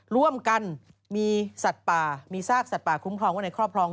ร่วมกันมีสัตว์ป่ามีซากสัตว์ป่าคุ้มครองไว้ในครอบครอง